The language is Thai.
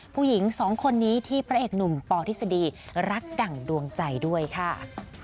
ผู้หญิงสองคนนี้ที่พระเอกหนุ่มปทฤษฎีรักดั่งดวงใจด้วยค่ะ